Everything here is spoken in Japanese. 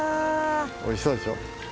おいしそうでしょ？